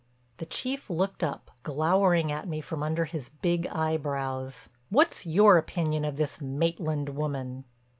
The Chief looked up, glowering at me from under his big eyebrows: "What's your opinion of this Maitland woman?"